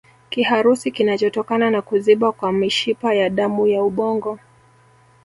Kiharusi kinachotokana na kuziba kwa mishipa ya damu ya ubongo